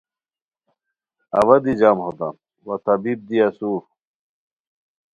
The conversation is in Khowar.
اوا دی جم ہوتام وا طبیب دی اسور